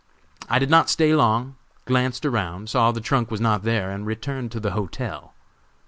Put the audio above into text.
I did not stay long; glanced around, saw the trunk was not there, and returned to the hotel.